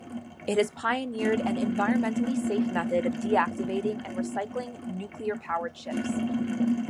It has pioneered an environmentally safe method of deactivating and recycling nuclear-powered ships.